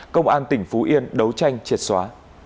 công an tỉnh phú yên đấu tranh triệt xóa